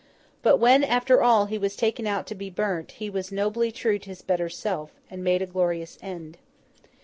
But when, after all, he was taken out to be burnt, he was nobly true to his better self, and made a glorious end.